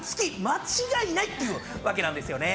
間違いないっていうわけなんですよね。